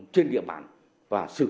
trên địa bàn và xử lý